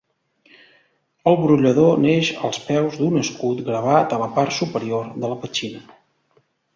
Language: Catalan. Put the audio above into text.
El brollador neix als peus d'un escut gravat a la part superior de la petxina.